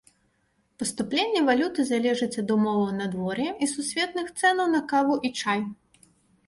Паступленне валюты залежыць ад умоваў надвор'я і сусветных цэнаў на каву і чай.